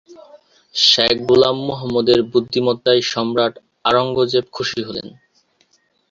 শেখ গোলাম মোহাম্মদের বুদ্ধিমত্ত্বায় সম্রাট আওরঙ্গজেব খুশি হলেন।